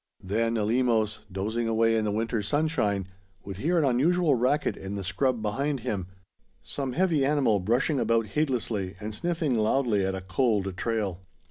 Then Eleemos, dozing away in the winter sunshine, would hear an unusual racket in the scrub behind him, some heavy animal brushing about heedlessly and sniffing loudly at a cold trail.